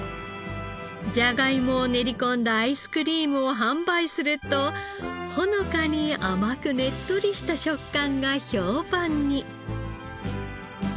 じゃがいもを練り込んだアイスクリームを販売するとほのかに甘くねっとりした食感が評判に。